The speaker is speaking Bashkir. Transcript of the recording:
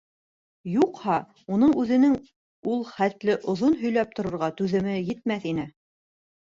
Юҡһа, уның үҙенең ул хәтле оҙон һөйләп торорға түҙеме етмәҫ ине.